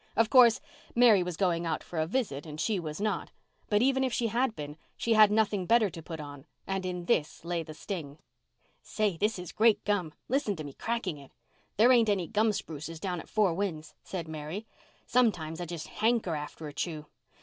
Of course, Mary was going out for a visit and she was not. But even if she had been she had nothing better to put on and in this lay the sting. "Say, this is great gum. Listen to me cracking it. There ain't any gum spruces down at Four Winds," said Mary. "Sometimes I just hanker after a chew.